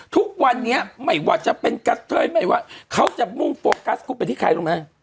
ทุกวันนี้ไม่ว่าจะเป็นกะเทยไม่ว่าเขาจะมุ่งโฟกัสกรุ๊ปไปที่ใครรู้ไหม